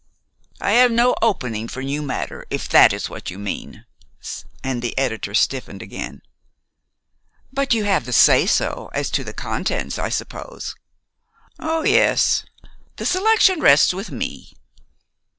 "I have no opening for new matter, if that is what you mean," and the editor stiffened again. "But you have the say so as to the contents, I suppose?" "Oh, yes. The selection rests with me."